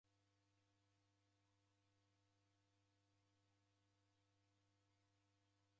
Kwaw'aw'ona nicha kwamba kwarwa vilole?